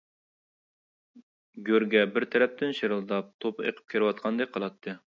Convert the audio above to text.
گۆرگە بىر تەرەپتىن شىرىلداپ توپا ئېقىپ كىرىۋاتقاندەك قىلاتتى.